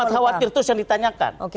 gak usah kalimat khawatir itu yang ditanyakan